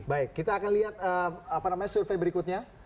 baik kita akan lihat apa namanya survei berikutnya ya